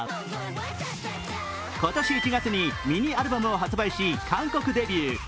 今年１月にミニアルバムを発売し、韓国デビュー。